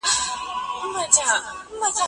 که موضوع سمه نه وي نو څېړنه مه کوه.